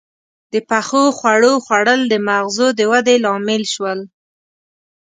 • د پخو خوړو خوړل د مغزو د ودې لامل شول.